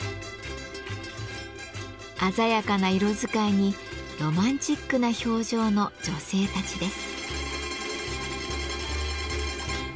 鮮やかな色使いにロマンチックな表情の女性たちです。